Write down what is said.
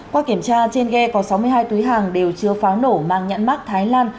qua kiểm tra trên ghe có sáu mươi hai túi hàng đều chưa phá nổ mang nhãn mắc thái lan